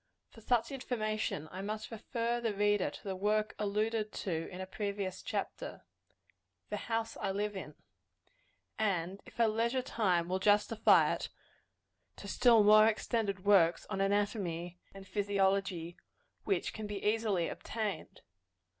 For such information, I must refer the reader to the work alluded to in a previous chapter "The House I Live In" and, if her leisure time will justify it, to still more extended works on anatomy and physiology, which can be easily obtained.